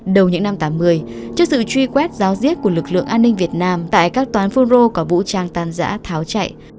đầu những năm tám mươi trước sự truy quét giáo diết của lực lượng an ninh việt nam tại các toán phun rô có vũ trang tàn giã tháo chạy